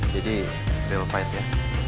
jadi real fight ya